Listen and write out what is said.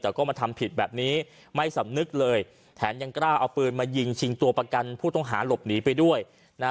แต่ก็มาทำผิดแบบนี้ไม่สำนึกเลยแถมยังกล้าเอาปืนมายิงชิงตัวประกันผู้ต้องหาหลบหนีไปด้วยนะฮะ